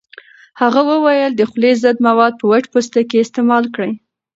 هغه وویل د خولې ضد مواد په وچ پوستکي استعمال کړئ.